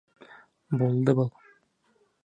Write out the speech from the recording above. Булды был!